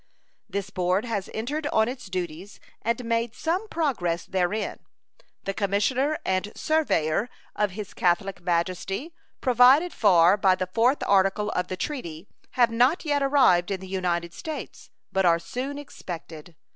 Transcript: This board has entered on its duties and made some progress therein. The commissioner and surveyor of His Catholic Majesty, provided for by the 4th article of the treaty, have not yet arrived in the United States, but are soon expected.